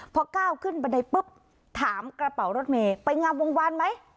พอก้าวขึ้นบันไดปุ๊บถามกระเป๋ารถเมย์ไปงามวงวานไหม